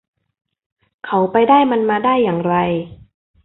เขาไปได้มันมาได้อย่างไร